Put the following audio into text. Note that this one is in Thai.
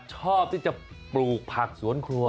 ชอบที่จะปลูกผักสวนครัว